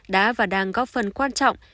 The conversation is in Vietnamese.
đã và đang góp phần quan trọng